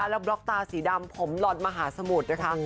แล้วบล็อกตาสีดำผมหล่อนมหาสมุทรนะคะ